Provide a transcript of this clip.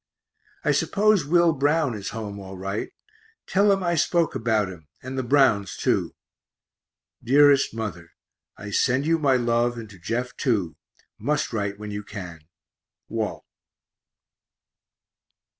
I suppose Will Brown is home all right; tell him I spoke about him, and the Browns too. Dearest Mother, I send you my love, and to Jeff too must write when you can. WALT.